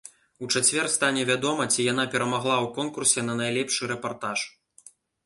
У чацвер стане вядома, ці яна перамагла ў конкурсе на найлепшы рэпартаж.